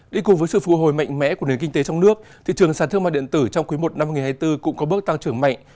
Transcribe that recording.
đi cùng với sự phù hồi mạnh mẽ của nền kinh tế trong nước thị trường sản thương mại điện tử trong quý i năm hai nghìn hai mươi bốn cũng có bước tăng trưởng mạnh